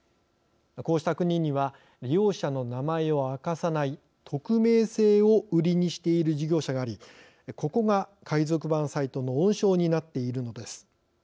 こうした国には利用者の名前を明かさない匿名性を売りにしている事業者がありここが海賊版サイトの温床になっているのです。